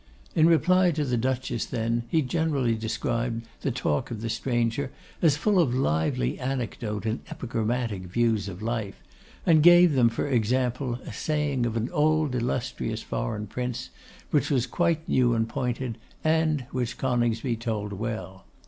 In reply to the Duchess, then, he generally described the talk of the stranger as full of lively anecdote and epigrammatic views of life; and gave them, for example, a saying of an illustrious foreign Prince, which was quite new and pointed, and which Coningsby told well.